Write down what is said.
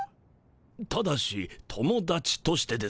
ただし友だちとしてですが。